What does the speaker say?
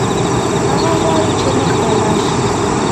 هغه غواړي چې مخته ولاړ شي.